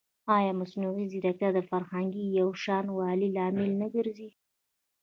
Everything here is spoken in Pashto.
ایا مصنوعي ځیرکتیا د فرهنګي یوشان والي لامل نه ګرځي؟